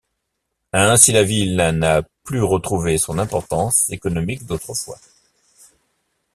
Ainsi, la ville n'a plus retrouvé son importance économique d'autrefois.